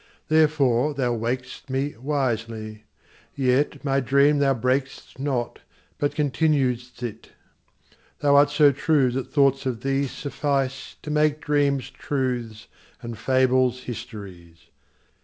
Therefore thou waked'st me wisely; yetMy dream thou brak'st not, but continued'st it:Thou art so true that thoughts of thee sufficeTo make dreams truths and fables histories.